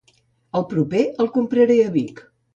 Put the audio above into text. El proper el compraré a Vic.